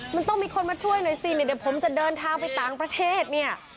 มันต้องมีคนมาช่วยหน่อยสิเนี่ยเดี๋ยวผมจะเดินทางไปต่างประเทศเนี่ย